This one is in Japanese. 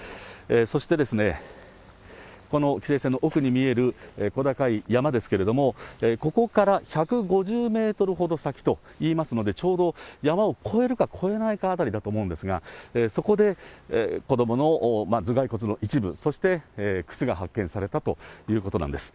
そして、この規制線の奥に見える小高い山ですけれども、ここから１５０メートルほど先といいますので、ちょうど山を越えるか越えないか辺りだと思うんですが、そこで子どもの頭蓋骨の一部、そして靴が発見されたということなんです。